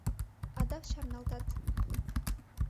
Адак чарналтат.